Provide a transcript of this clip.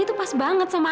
untung apa sih